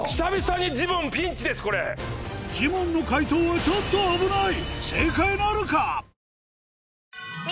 ジモンの解答はちょっと危ない！